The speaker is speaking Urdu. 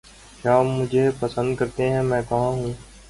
کیا آپ مجھے پسند کرتے ہیں؟ میں کہاں ہوں؟